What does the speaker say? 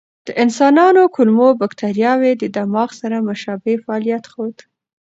د انسانانو کولمو بکتریاوې د دماغ سره مشابه فعالیت ښود.